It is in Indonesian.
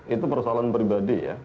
itu persoalan pribadi ya